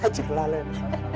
ya apcak lalat